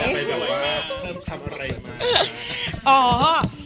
เพิ่มทำอะไรมาก